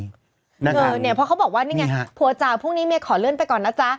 เนี่ยเพราะเขาบอกว่านี่ไงผัวจ่าพรุ่งนี้เมียขอเลื่อนไปก่อนนะจ๊ะ